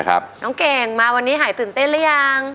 น้องเก่งมาวันนี้หายตื่นเต้นหรือยัง